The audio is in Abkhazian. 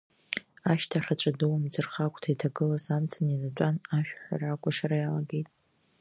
Ашьҭахь, аҵәа ду, амӡырха агәҭа иҭагылаз, амҵан инатәан, ашәаҳәара-акәашара иалагеит.